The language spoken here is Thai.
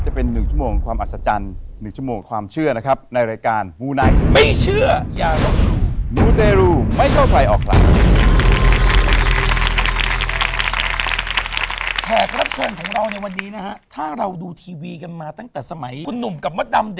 จะเป็น๑ชั่วโมงความอัศจรรย์๑ชั่วโมงความเชื่อนะครับ